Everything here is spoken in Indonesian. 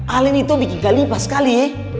alen itu bikin kalipas sekali